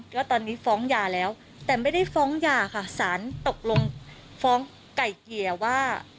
ก็ตอนนี้ฟ้องยาแล้วแต่ไม่ได้ฟ้องยาค่ะสารตกลงฟ้องไก่เกลี่ยว่า